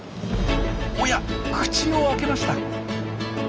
おや口を開けました。